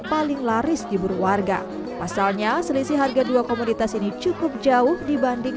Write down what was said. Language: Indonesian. paling laris diburu warga pasalnya selisih harga dua komunitas ini cukup jauh dibanding